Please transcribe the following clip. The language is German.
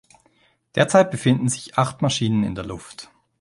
Derzeit befinden sich acht Maschinen in der Luft.